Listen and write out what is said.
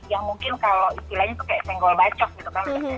yang mungkin kalau istilahnya tuh kayak senggol bacok gitu kan